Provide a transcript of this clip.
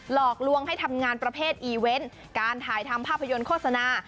หลอกลวงให้ทำงานประเภทอีเวนต์การถ่ายทำภาพยนตร์โฆษณา